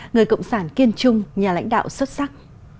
người cộng sản kiên trung nhà lãnh đạo xuất sắc